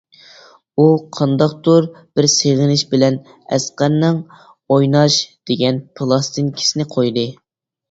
ئۇ قانداقتۇر بىر سېغىنىش بىلەن ئەسقەرنىڭ «ئويناش» دېگەن پىلاستىنكىسىنى قويدى.